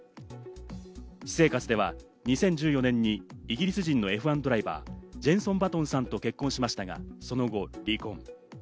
私生活では２０１４年にイギリス人のＦ１ドライバー、ジェンソン・バトンさんと結婚しましたが、その後、離婚。